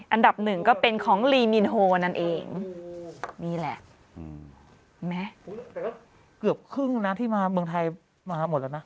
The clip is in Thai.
อันดับหนึ่งก็เป็นของลีมินโฮนั่นเองนี่แหละแม้แต่เกือบครึ่งนะที่มาเมืองไทยมาหมดแล้วนะ